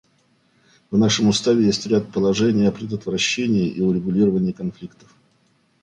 В нашем Уставе есть ряд положений о предотвращении и урегулировании конфликтов.